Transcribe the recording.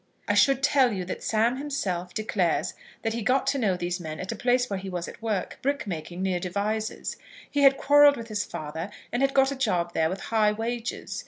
I should tell you that Sam himself declares that he got to know these men at a place where he was at work, brickmaking, near Devizes. He had quarrelled with his father, and had got a job there, with high wages.